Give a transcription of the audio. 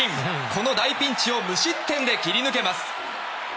この大ピンチを無失点で切り抜けます。